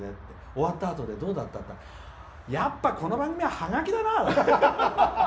終わったあとどうだった？って聞いたらやっぱりこの番組はハガキだな！